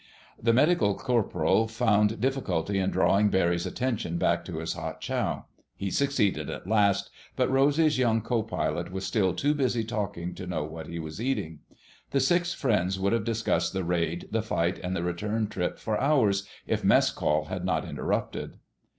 The medical corporal found difficulty in drawing Barry's attention back to his hot chow. He succeeded at last, but Rosy's young co pilot was still too busy talking to know what he was eating. The six friends would have discussed the raid, the fight, and the return trip for hours, if mess call had not interrupted.